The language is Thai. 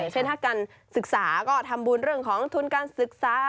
เช่นถ้าการศึกษาก็ทำบุญเรื่องของทุนการศึกษา